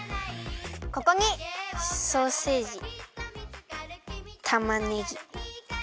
ここにソーセージたまねぎピーマン。